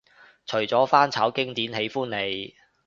除咗翻炒經典喜歡你